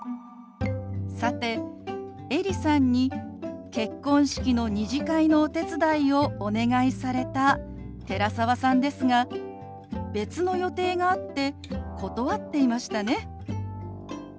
さてエリさんに結婚式の２次会のお手伝いをお願いされた寺澤さんですが別の予定があって断っていましたね。